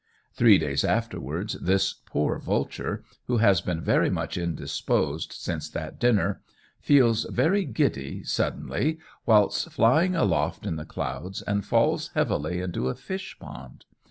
Three days afterwards this poor vulture, who has been very much indisposed since that dinner, feels very giddy, suddenly, whilst flying aloft in the clouds, and falls heavily into a fish pond.